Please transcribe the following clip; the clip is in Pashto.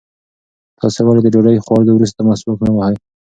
تاسې ولې د ډوډۍ خوړلو وروسته مسواک نه وهئ؟